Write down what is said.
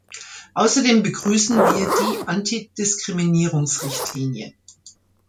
Außerdem begrüßen wir die Antidiskriminierungsrichtlinie.